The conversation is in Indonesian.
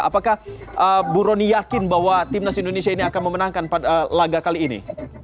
apakah bu roni yakin bahwa timnas indonesia ini akan memenangkan laga kali ini